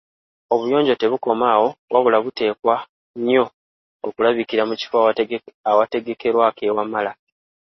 Obuyonjo tebukoma awo wabula buteekwa nnyo okulabikira mu kifo awategekerwa ak’e Wamala.